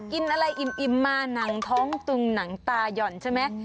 กินอะไรอิ่มมาหนังท้องตึงหนังตาย่อนใช่ไหม